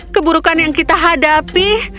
keburukan yang kita hadapi